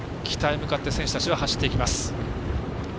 北へ向かって選手たちは走っていきます。